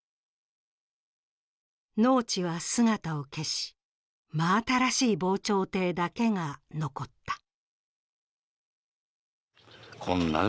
農地は姿を消し、真新しい防潮堤だけが残った。